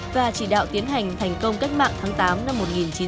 và chỉ đạo tiến hành thành công cách mạng tháng tám năm một nghìn chín trăm bốn mươi năm